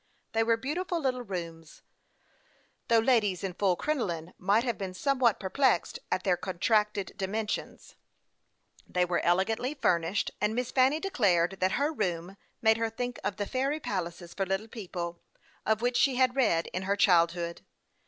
They were beautiful little rooms, though ladies in full crinoline might have been somewhat perplexed at their contracted dimensions. They were elegantly furnished, and Miss Fanny declared that her room THE YOUNG PILOT OF LAKE CHAMPLAIX. 253 made her think of the fairy palaces for little people, of which she had read in her childhood.